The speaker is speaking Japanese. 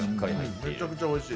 めちゃくちゃおいしい。